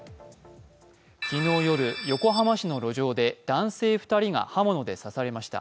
昨日夜、横浜市の路上で男性２人が刃物で刺されました。